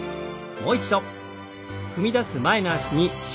もう一度。